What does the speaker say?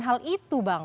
hal itu bang